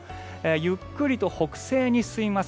ゆっくりと北西に進みます。